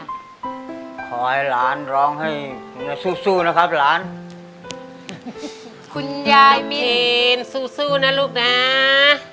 ขอให้หลานร้องให้สู้นะครับหลานคุณยายมีสู้นะลูกน้า